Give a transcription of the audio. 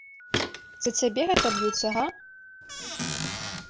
За цябе гэта б'юцца, га?